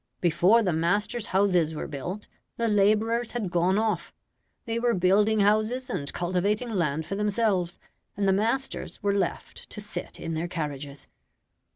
Before the masters' houses were built, the labourers had gone off they were building houses and cultivating land for themselves, and the masters were left to sit in their carriages.